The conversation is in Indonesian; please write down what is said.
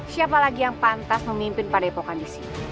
siapa lagi yang pantas memimpin pada epokan di sini